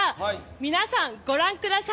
皆さん、ご覧ください。